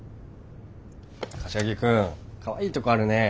柏木君かわいいとこあるね。